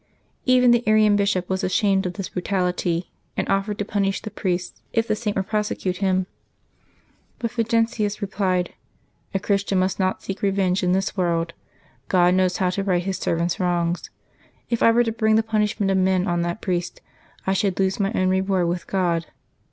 Even the Arian bishop was ashamed of this bru tality, and offered to punish the priest if the Saint would prosecute him. But Fulgentius replied, " A Christian must not seek revenge in this world. God knows how to right His servants' wrongs. If I were to bring the punish ment of man on that priest, I should lose my own reward with God.